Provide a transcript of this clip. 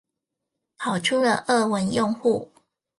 跑出了俄文用戶